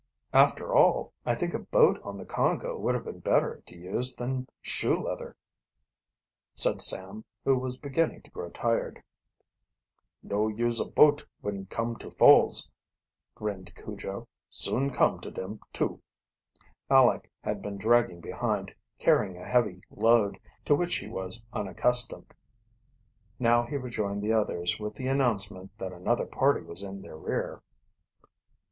"After all, I think a boat on the Congo would have been better to use than shoe leather," said Sam, who was beginning to grow tired. "No use a boat when come to falls," grinned Cujo. "Soon come to dem, too." Aleck had been dragging behind, carrying a heavy load, to which he was unaccustomed. Now he rejoined the others with the announcement that another party was in their rear.